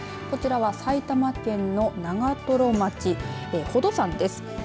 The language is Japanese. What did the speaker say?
こちらは埼玉県の長瀞町宝登山です。